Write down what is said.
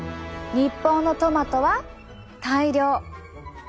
日本のトマトは大量。